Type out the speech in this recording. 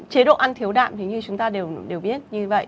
chế độ ăn thiếu đạm thì như chúng ta đều biết như vậy